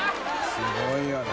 すごいよね。